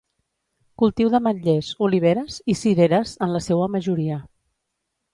Cultiu d'ametllers, oliveres i cireres en la seua majoria.